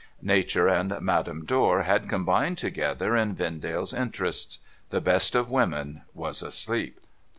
Nature and Madame Dor had combined together in Vendale's interests. The best of women was asleep.